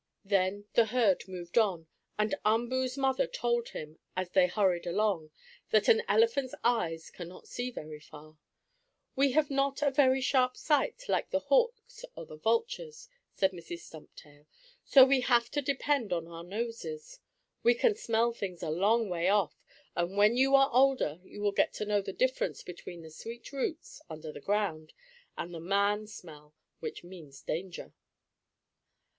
Then the herd moved off, and Umboo's mother told him, as they hurried along, that an elephant's eyes can not see very far. "We have not a very sharp sight, like the hawks or the vultures," said Mrs. Stumptail, "so we have to depend on our noses. We can smell things a long way off, and when you are older you will get to know the difference between the sweet roots, under the ground, and the man smell, which means danger.